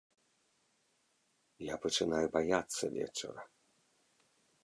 Я пачынаю баяцца вечара.